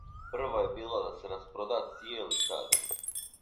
Прва је била да се распрода цијели стадион.